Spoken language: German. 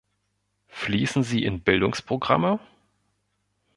Fließen sie in Bildungsprogramme?